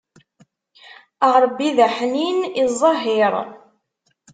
Ṛebbi d aḥnin iẓẓehhiṛ.